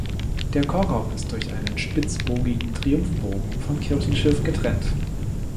Der Chorraum ist durch einen spitzbogigen Triumphbogen vom Kirchenschiff getrennt.